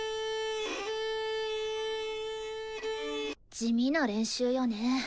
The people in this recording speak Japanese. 地味な練習よね。